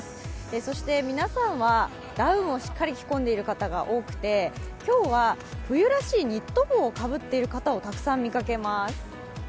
そして皆さんはダウンをしっかり着込んでいる方が多くて今日は冬らしいニット帽をかぶっている方をたくさん見かけます。